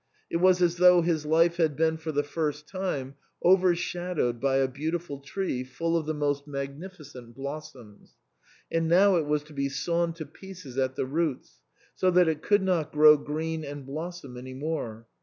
It was as though his life had been for the first time overshadowed by a beautiful tree full of the most magnificent blossoms, and now it was to be sawn to pieces at the roots, so that it could not grow green and blossom any more.